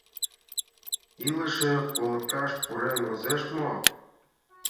— Илыше колоткаш пурен возеш мо?..